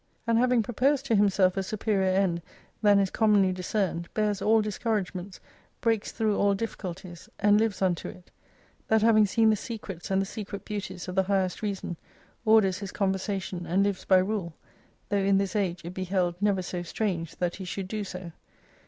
And having proposed to himself a superior end than is commonly dis cerned, bears all discouragements, breaks through all difficulties aild lives unto it: that having seen the secrets and the secret beauties of the highest reason, orders his conversation, and lives by rule : though in this age it be held never so strange that he should do so.